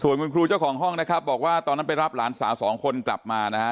คุณครูเจ้าของห้องนะครับบอกว่าตอนนั้นไปรับหลานสาวสองคนกลับมานะฮะ